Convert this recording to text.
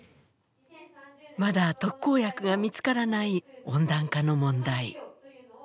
まだ特効薬が見つからない温暖化の問題。